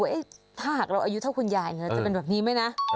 ถ้าหากเราอายุเท่าคุณยายจะเป็นแบบนี้ไหมนะ